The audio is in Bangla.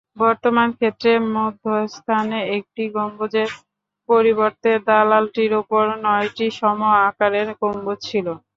বর্তমান ক্ষেত্রে মধ্যস্থানে একটি গম্বুজের পরিবর্তে দালানটির উপর নয়টি সম-আকারের গম্বুজ ছিল।